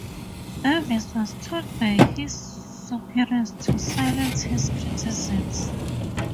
Davis was told by his superiors to silence his criticisms.